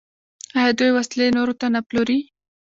آیا دوی وسلې نورو ته نه پلوري؟